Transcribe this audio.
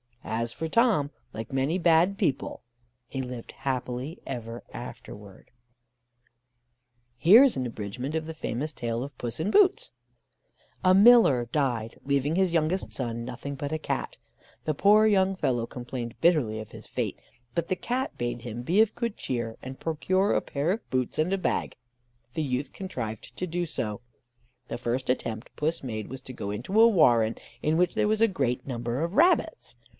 As for Tom, like many bad people, he lived happy ever afterwards." Here is an abridgement of the famous tale of Puss in Boots: "A miller died, leaving his youngest son nothing but a Cat: the poor young fellow complained bitterly of his fate; the Cat bade him be of good cheer, and procure a pair of boots and a bag: the youth contrived to do so. The first attempt Puss made was to go into a warren, in which there was a great number of rabbits.